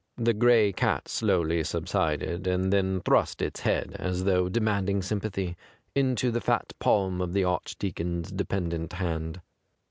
The gray cat slowly subsided, and then thrust its head, as though demanding sympathy, into the fat palm of the Arch deacon's dependent hand.